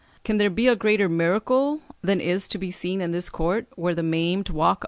Can there be a greater miracle than is to be seen in this court, where the maimed walk upright?"